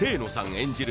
演じる